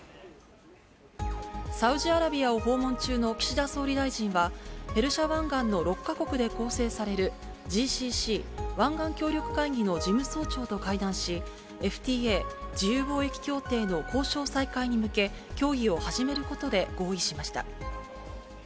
サウジアラビアを訪問中の岸田総理大臣は、ペルシャ湾岸の６か国で構成されるＧＣＣ・湾岸協力会議の事務総長と会談し、ＦＴＡ・自由貿易協定の交渉再開に向け、協議を始めることで合意しました。